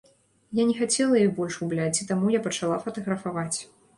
Я не хацела іх больш губляць, і таму я пачала фатаграфаваць.